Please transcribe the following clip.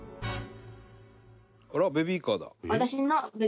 「あらベビーカーだ」